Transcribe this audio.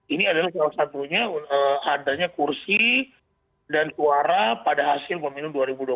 ini adalah salah satunya adanya kursi dan suara pada hasil pemilu dua ribu dua puluh